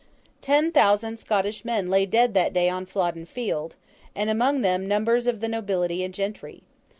Ten thousand Scottish men lay dead that day on Flodden Field; and among them, numbers of the nobility and gentry.